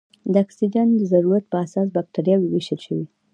د اکسیجن د ضرورت په اساس بکټریاوې ویشل شوې.